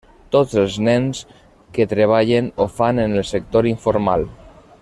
Tots els nens que treballen ho fan en el sector informal.